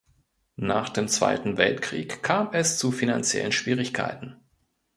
Nach dem Zweiten Weltkrieg kam es zu finanziellen Schwierigkeiten.